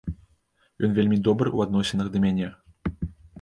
Ён вельмі добры ў адносінах да мяне.